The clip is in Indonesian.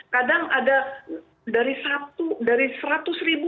kadang ada dari seratus ribu mungkin ada satu dua orang yang seperti itu